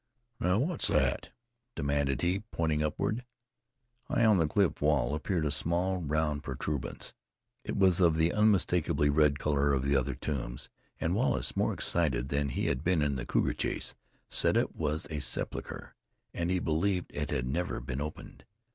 "Now, what's that?" demanded he, pointing upward. High on the cliff wall appeared a small, round protuberance. It was of the unmistakably red color of the other tombs; and Wallace, more excited than he had been in the cougar chase, said it was a sepulcher, and he believed it had never been opened.